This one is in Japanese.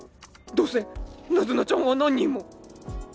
どうせナズナちゃんは何人も。